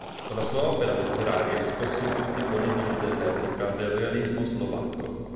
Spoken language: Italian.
Con la sua opera letteraria scosse tutti i politici dell'epoca del realismo slovacco.